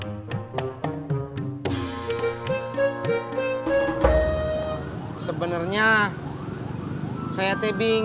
susah udah gak bisa diapa apain